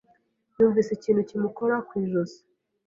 Yumvise ikintu kimukora ku ijosi.